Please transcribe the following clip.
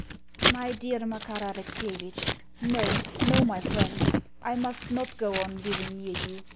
MY DEAR MAKAR ALEXIEVITCH No, no, my friend, I must not go on living near you.